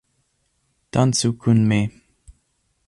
Dancu kun mi!